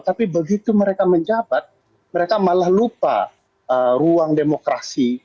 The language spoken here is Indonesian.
tapi begitu mereka menjabat mereka malah lupa ruang demokrasi